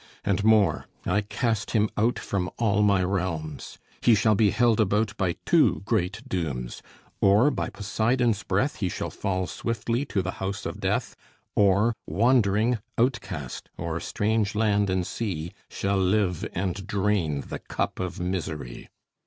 And more, I cast him out From all my realms. He shall be held about By two great dooms. Or by Poseidon's breath He shall fall swiftly to the house of Death; Or wandering, outcast, o'er strange land and sea, Shall live and drain the cup of misery.